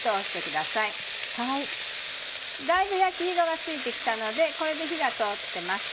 だいぶ焼き色がついて来たのでこれで火が通ってます。